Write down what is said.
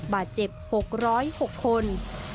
บาดเจ็บ๖๐๖คน